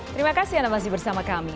terima kasih anda masih bersama kami